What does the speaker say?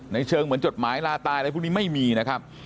ในเชิงเหมือนจดหมายลาตายอะไรพวกนี้ไม่มีนะครับ